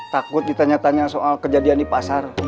takut ditanya tanya soal kejadian di pasar